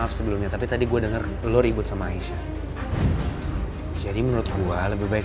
kenapa lo berubah